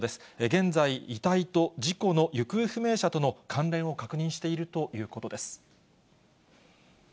現在、遺体と事故の行方不明者との関連を確認しているということです。